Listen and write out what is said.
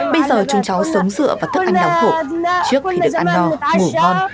bây giờ chúng cháu sống dựa vào thức ăn đau khổ trước thì được ăn no ngủ ngon